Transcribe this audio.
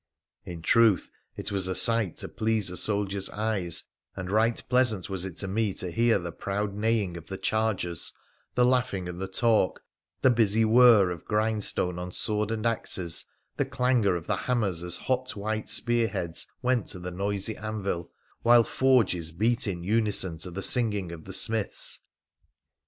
In truth, it was a sight to please a soldier's eyes, and righ pleasant was it to me to hear the proud neighing of th< chargers, the laughing and the talk, the busy whirr of grind stone on sword and axes, the clangour of the hammers as th< hot white spearheads went to the noisy anvil, while forges beat in unison to the singing of the smiths.